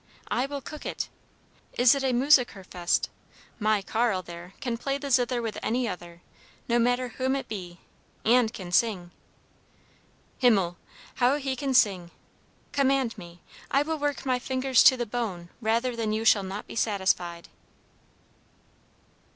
I will cook it. Is it a musiker fest? My Carl, there, can play the zither with any other, no matter whom it be, and can sing. Himmel! how he can sing! Command me! I will work my fingers to the bone rather than you shall not be satisfied."